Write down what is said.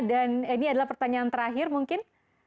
dan ini adalah pertanyaan terakhir mungkin